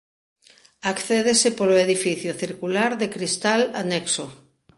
Accédese polo edificio circular de cristal anexo.